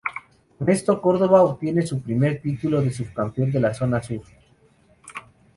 Con esto, Córdoba obtiene su primer título de Subcampeón de la zona sur.